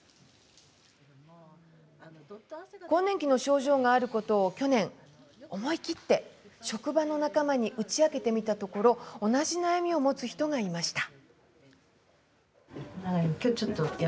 更年期の症状があることを去年、思い切って職場の仲間に打ち明けてみたところ同じ悩みを持つ人がいました。